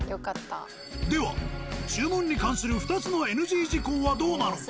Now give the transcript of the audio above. では注文に関する２つのＮＧ事項はどうなのか？